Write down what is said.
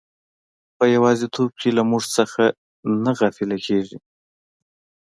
په یوازیتوب کې له موږ څخه نه غافله کیږي.